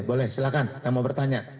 boleh silakan yang mau bertanya silakan